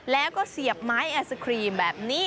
แล้วก็เสียบไม้ไอศครีมแบบนี้